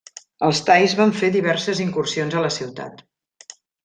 Els thais van fer diverses incursions a la ciutat.